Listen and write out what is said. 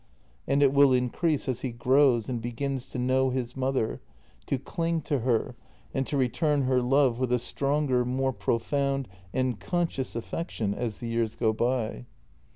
And it will increase as he grows and begins to know his mother, to cling to her, and to return her love with a stronger, more profound and conscious affection as the years go by.